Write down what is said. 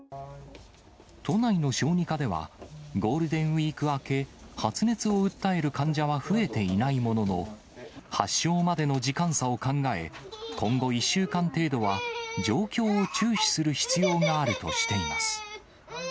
都内の小児科では、ゴールデンウィーク明け、発熱を訴える患者は増えていないものの、発症までの時間差を考え、今後１週間程度は、状況を注視する必要があるとしています。